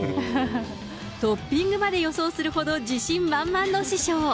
トッピングまで予想するほど自信満々の師匠。